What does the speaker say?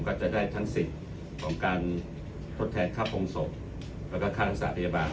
ก็จะได้ทั้งสิทธิ์ของการทดแทนค่าโปรงศพแล้วก็ค่ารักษาพยาบาล